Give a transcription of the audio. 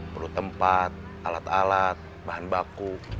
perlu tempat alat alat bahan baku